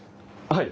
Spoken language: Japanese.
はい。